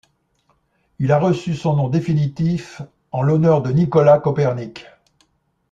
Il a reçu son nom définitif en en l'honneur de Nicolas Copernic.